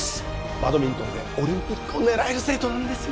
バドミントンでオリンピックを狙える生徒なんですよ